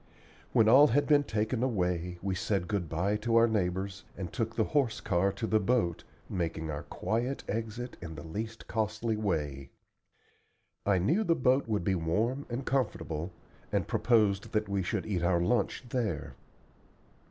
When all had been taken away, we said good by to our neighbors and took the horse car to the boat, making our quiet exit in the least costly way. I knew the boat would be warm and comfortable, and proposed that we should eat our lunch there.